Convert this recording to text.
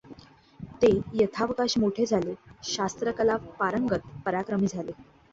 ते यथावकाश मोठे झाले ; शास्त्र कला पारंगत, पराक्रमी झाले.